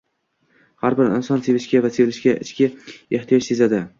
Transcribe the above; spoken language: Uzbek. Har bir inson sevishga va sevilishga ichki ehtiyoj sezadi